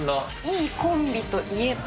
いいコンビといえば。